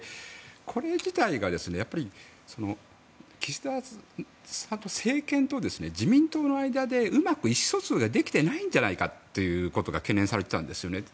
これ自体がやっぱり岸田さんと自民党の間でうまく意思疎通ができていないんじゃないかということが懸念されていたんですね。